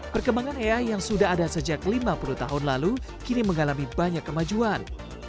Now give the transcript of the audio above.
perkembangan ea yang sudah ada sejak lima puluh tahun lalu kini mengalami banyak kemajuan